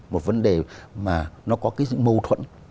một vấn đề mà nó có mâu thuẫn